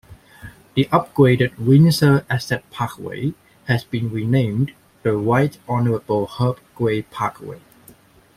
The upgraded Windsor-Essex Parkway has been renamed the Right Honourable Herb Gray Parkway.